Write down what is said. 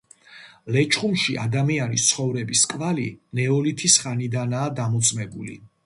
ლეჩხუმში ადამიანის ცხოვრების კვალი ნეოლითის ხანიდანაა დამოწმებული.